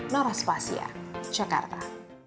noras fasya jakarta